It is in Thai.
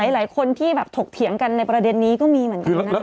หลายคนที่แบบถกเถียงกันในประเด็นนี้ก็มีเหมือนกันนะคะ